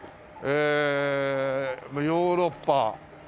えヨーロッパ